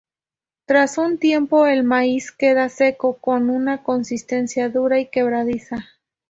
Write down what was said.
Tras un tiempo el maíz queda seco, con una consistencia dura y quebradiza.